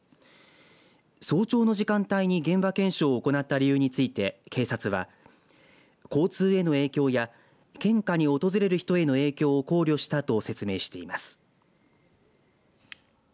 早朝の時間帯に現場検証を行った理由について警察は、交通への影響や献花に訪れる人への影響を考慮したと説明しています。